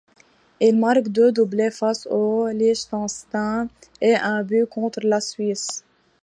Il marque deux doublés face au Liechtenstein, et un but contre la Suisse.